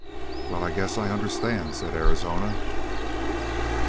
"Well, I guess I understand," said Arizona.